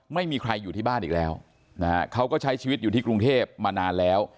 ไม่มีใครอยู่ที่บ้านอีกแล้วนะฮะเขาก็ใช้ชีวิตอยู่ที่กรุงเทพมานานแล้ว